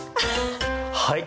はい。